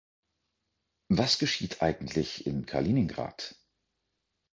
Was geschieht eigentlich in Kaliningrad?